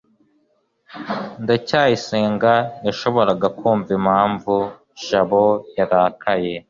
ndacyayisenga yashoboraga kumva impamvu jabo yarakaye